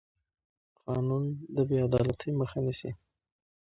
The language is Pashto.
قانون د بې عدالتۍ مخه نیسي